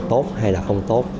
tốt hay là không tốt